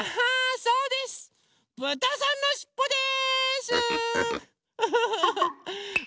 そうです！